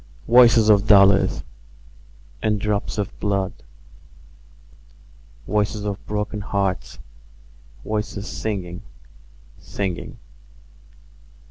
Voices of dollars And drops of blood ..... Voices of broken hearts, .. Voices singing, singing